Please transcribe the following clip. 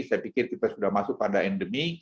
saya pikir kita sudah masuk pada endemi